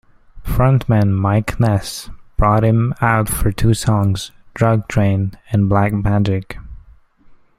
Frontman Mike Ness brought him out for two songs, "Drug Train" and "Black Magic".